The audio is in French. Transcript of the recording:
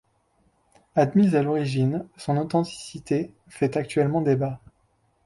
Admise à l'origine, son authenticité fait actuellement débat.